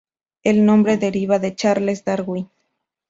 El nombre deriva de Charles Darwin.